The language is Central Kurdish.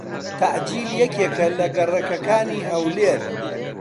تەعجیل یەکێکە لە گەڕەکەکانی هەولێر.